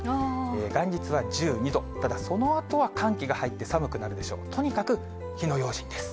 元日は１２度、ただ、そのあとは寒気が入って寒くなるでしょう。